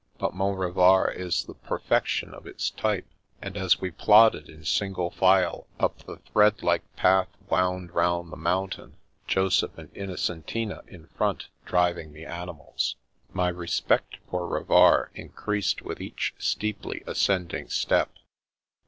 But Mont Revard is the perfection of its t}rpe; and as we plodded in single file up the threadlike path The Revenge of the Mountain 277 wound round the mountain (Joseph and Innocentina in front, driving the animals), my respect for Revard increased with each steeply ascending step.